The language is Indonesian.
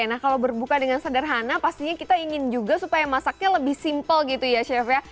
nah kalau berbuka dengan sederhana pastinya kita ingin juga supaya masaknya lebih simpel gitu ya chef ya